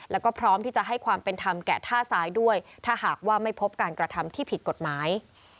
แล้วก็พร้อมที่จะให้ความเป็นธรรมแกะท่าซ้ายด้วยถ้าหากว่าไม่พบการกระทำที่ผิดกฎหมาย